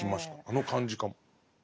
あの感じかも。